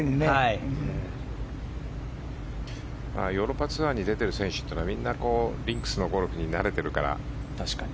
ヨーロッパツアーに出ている選手というのはみんな、リンクスのゴルフに慣れているから。